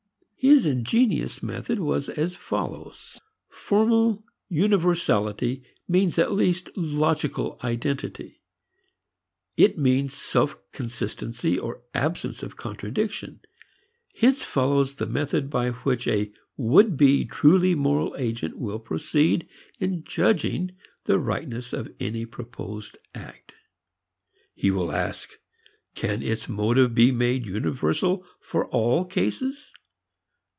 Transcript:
His ingenious method was as follows. Formal universality means at least logical identity; it means self consistency or absence of contradiction. Hence follows the method by which a would be truly moral agent will proceed in judging the rightness of any proposed act. He will ask: Can its motive be made universal for all cases?